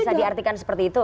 bisa diartikan seperti itu